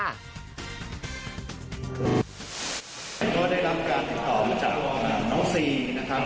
ก็ได้รับการติดต่อมาจากน้องซีนะครับ